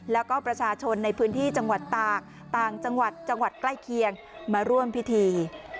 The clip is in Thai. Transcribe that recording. แล้วก็ประชาชนในพื้นที่จังหวัดตากต่างจังหวัดจังหวัดใกล้เคียงมาร่วมพิธี